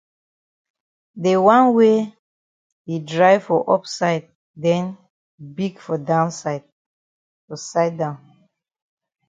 De wan wey yi dry for up side den big for side down.